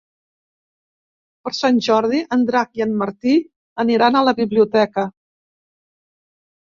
Per Sant Jordi en Drac i en Martí aniran a la biblioteca.